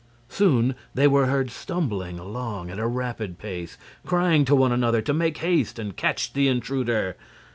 Soon they were heard stumbling along at a rapid pace, crying to one another to make haste and catch the intruder.